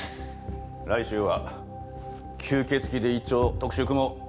来週は吸血鬼で一丁特集組もう！